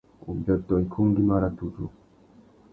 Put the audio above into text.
Ubiôtô ikú ngüimá râ tudju.